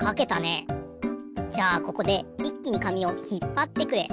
じゃあここでいっきに紙をひっぱってくれ。